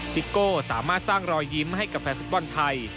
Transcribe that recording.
ซิโก้สามารถสร้างรอยยิ้มให้กับแฟนฟุตบอลไทย